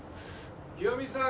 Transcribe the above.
・清美さん